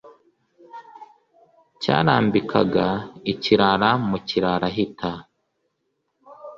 cyarambikaga ikirara mu kirara-hita,